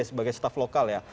sebagai staff lokal ya